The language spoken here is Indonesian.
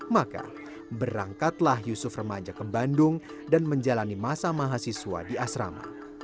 maka berangkatlah yusuf remaja ke bandung dan menjalani masa mahasiswa di asrama